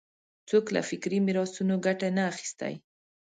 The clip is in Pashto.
څوک له فکري میراثونو ګټه نه اخیستی